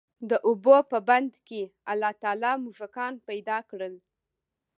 د اوبو په بند کي الله تعالی موږکان پيدا کړل،